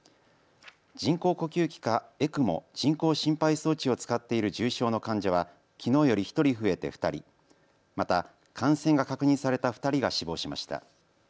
人工呼吸器かＥＣＭＯ・人工心肺装置を使っている重症の患者はきのうより１人増えて２人、また感染が確認された２人が死亡しました。